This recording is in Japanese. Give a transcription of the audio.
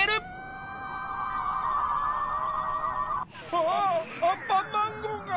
あぁアンパンマンごうが。